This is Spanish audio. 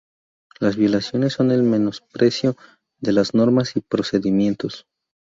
Las violaciones son el menosprecio de las normas y procedimientos.